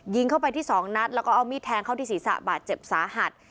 เข้าไปที่สองนัดแล้วก็เอามีดแทงเข้าที่ศีรษะบาดเจ็บสาหัส